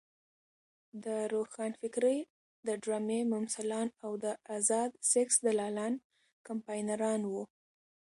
د روښانفکرۍ د ډرامې ممثلان او د ازاد سیکس دلالان کمپاینران وو.